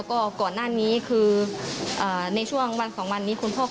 และก็มีการกินยาละลายริ่มเลือดแล้วก็ยาละลายขายมันมาเลยตลอดครับ